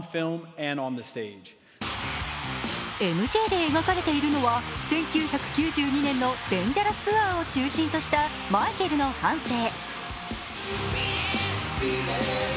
「ＭＪ」で描かれているのは１９９２年のデンジャラス・ツアーを中心としたマイケルの半生。